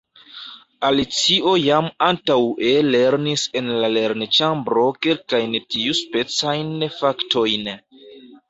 Alicio jam antaŭe lernis en la lernĉambro kelkajn tiuspecajn faktojn.